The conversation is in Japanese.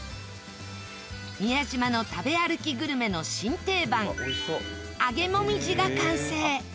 宮島の食べ歩きグルメの新定番揚げもみじが完成